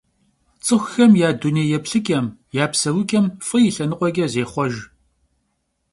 Ts'ıxuxem ya dunêyêplhıç'em, ya pseuç'em f'ı yi lhenıkhueç'e zêxhuejj.